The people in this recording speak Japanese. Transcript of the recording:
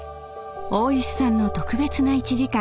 ［オーイシさんの特別な１時間］